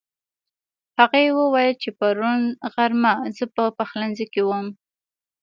هغې وويل چې پرون غرمه زه په پخلنځي کې وم